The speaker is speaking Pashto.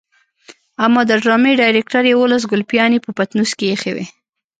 اما د ډرامې ډايرکټر يوولس ګلپيانې په پټنوس کې ايښې وي.